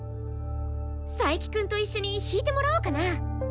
佐伯くんと一緒に弾いてもらおうかな。